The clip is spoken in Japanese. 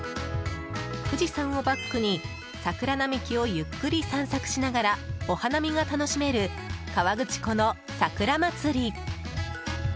富士山をバックに桜並木をゆっくり散策しながらお花見が楽しめる河口湖のさくら祭り。